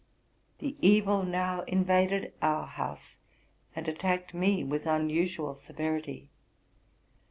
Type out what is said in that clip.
The evil now invaded our house, and attacked me with unusual severity.